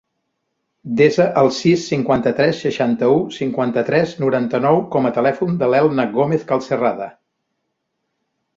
Desa el sis, cinquanta-tres, seixanta-u, cinquanta-tres, noranta-nou com a telèfon de l'Elna Gomez Calcerrada.